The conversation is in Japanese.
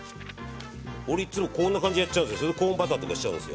俺、いつもこんな感じでやっちゃうんです。